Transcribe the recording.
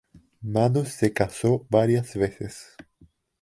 Manus se casó varias veces.